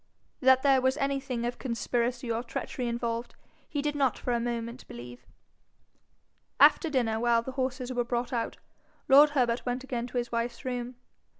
That there was anything of conspiracy or treachery involved, he did not for a moment believe. After dinner, while the horses were brought out, lord Herbert went again to his wife's room.